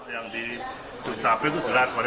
yang di dukcapil itu jelas pada